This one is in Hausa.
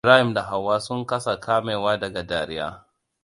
Ibrahim da Hauwa sun kasa kamewa daga dariya.